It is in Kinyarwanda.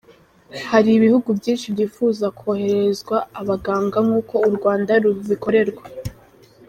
Hari ibihugu byinshi byifuza kohererezwa abaganga nk’uko u Rwanda rubikorerwa.